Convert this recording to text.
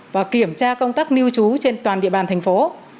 và kiểm tra công tác lưu trú trên toàn địa bàn thành phố